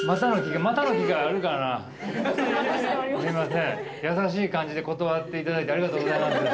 すいません優しい感じで断って頂いてありがとうございます。